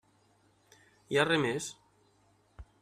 Hi ha res més?